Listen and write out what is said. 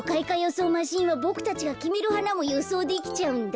そうマシーンはボクたちがきめるはなもよそうできちゃうんだ。